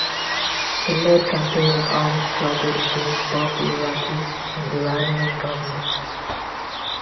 He led campaigns of armed struggle against both the Iraqi and Iranian governments.